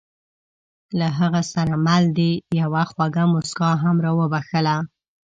له هغه سره مل دې یوه خوږه موسکا هم را وبښله.